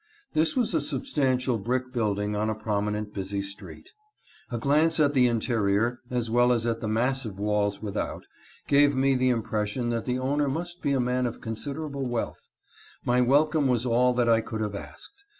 This was a substantial brick building on a prominent, busy street. A glance at the interior, as well as at the massive walls without, gave me the impression that the owner must be a man of considerable wealth. My welcome was all that I could have asked.